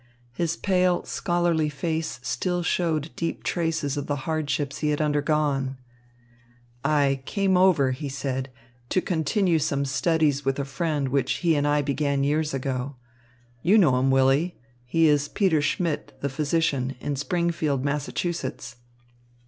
His pale scholarly face still showed deep traces of the hardships he had undergone. "I came over," he said, "to continue some studies with a friend which he and I began years ago. You know him, Willy. He is Peter Schmidt, the physician, in Springfield, Massachusetts."